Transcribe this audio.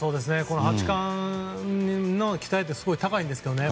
八冠への期待ってすごく高いんですけどね。